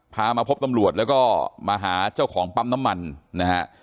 มาพบตำรวจแล้วก็มาหาเจ้าของปั๊มน้ำมันนะฮะ